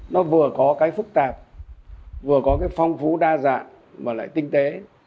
nó vừa có cái phức tạp vừa có cái phong phú đa dạng mà lại tinh tế